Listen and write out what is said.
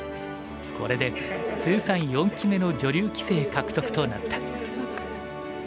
これで通算４期目の女流棋聖獲得となった。